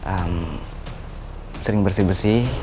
emm sering bersih bersih